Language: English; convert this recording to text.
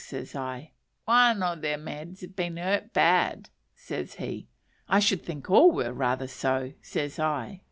says I. "One o' them eds has been hurt bad," says he. "I should think all were rather so," says I.